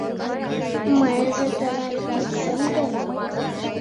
— Мыйже тылат келшем гын?